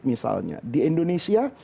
misalnya di indonesia